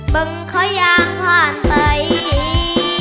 มึงขอยางผ่านไป